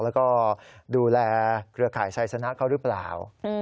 แล้วก็ดูแลเครือข่ายไซสนะเขาหรือเปล่า